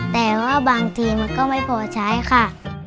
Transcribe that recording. แต่ว่าบางทีมันก็ไม่พอใช้ค่ะ